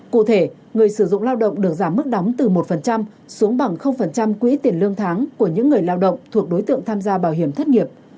cụ thể người sử dụng lao động được giảm mức đóng từ một xuống bằng quỹ tiền lương tháng của những người lao động thuộc đối tượng tham gia bảo hiểm thất nghiệp